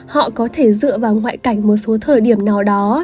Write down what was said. họ có thể dựa vào ngoại cảnh một số thời điểm nào đó